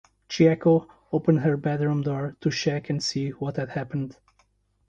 Chieko opened her bedroom door to check and see what had happened.